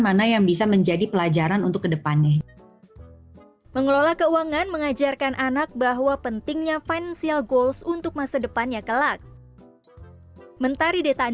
mana yang bisa menjadi pelajaran untuk kedepannya